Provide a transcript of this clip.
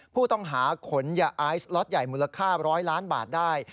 ผู้ต้องหาขนยาไอซ์ล็อตใหญ่มูลค่า๑๐๐ล้านบาทได้